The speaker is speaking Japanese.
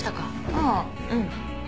ああうん。